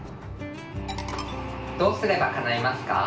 どうすればかないますか？